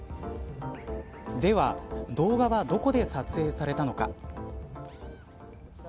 では動画はどこで撮影されたのか。